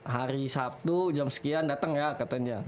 hari sabtu jam sekian datang ya katanya